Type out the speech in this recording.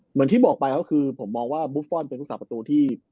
เหมือนที่บอกไปก็คือผมมองว่าบุฟฟอลเป็นผู้สาประตูที่